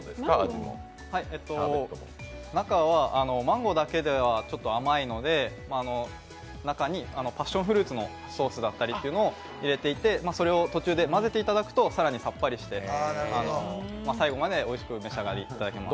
中はマンゴーだけではちょっと甘いので中にパッションフルーツのソースだったりっていうのを入れていて、それを途中で混ぜていただくと、更にさっぱりして最後までおいしくお召し上がりいただけます。